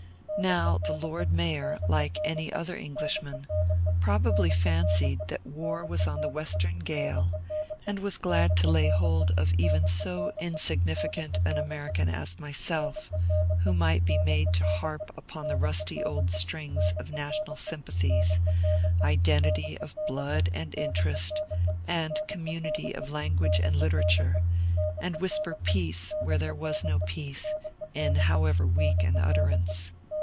Now the Lord Mayor, like any other Englishman, probably fancied that War was on the western gale, and was glad to lay hold of even so insignificant an American as myself, who might be made to harp on the rusty old strings of national sympathies, identity of blood and interest, and community of language and literature, and whisper peace where there was no peace, in however weak an utterance.